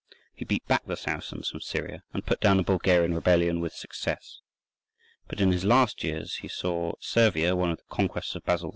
He beat back the Saracens from Syria and put down a Bulgarian rebellion with success. But in his last years he saw Servia, one of the conquests of Basil II.